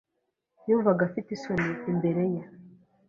Yumvaga afite isoni imbere ye.